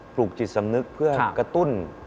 ลูกจิตสำนึกเพื่อกระตุ้น